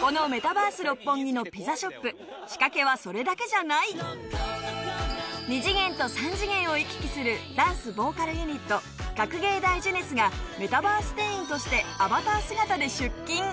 このメタバース六本木のピザショップ２次元と３次元を行き来するダンス＆ボーカルユニット学芸大青春がメタバース店員としてアバター姿で出勤！